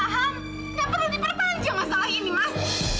tidak perlu diperpanjang masalah ini mas